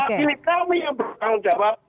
pilih kami yang bertanggung jawab